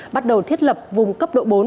bắt đầu thiết lập vùng cấp độ bốn